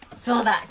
そうだ。